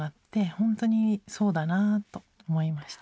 ほんとにそうだなと思いました。